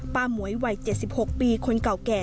หมวยวัย๗๖ปีคนเก่าแก่